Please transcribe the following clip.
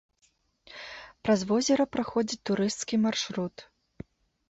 Праз возера праходзіць турысцкі маршрут.